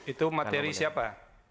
itu materi siapa